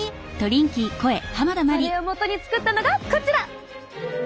それを基に作ったのがこちら！